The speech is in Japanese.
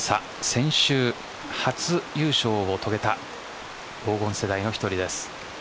先週初優勝を遂げた黄金世代の１人です。